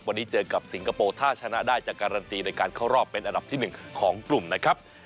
วันนี้เจอกับสิงคโปร์ถ้าชนะได้จะการันตีในการเข้ารอบเป็นอันดับที่๑ของกลุ่มนะครับ